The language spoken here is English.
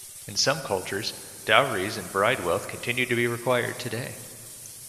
In some cultures, dowries and bridewealth continue to be required today.